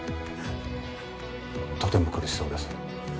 とても苦しそうです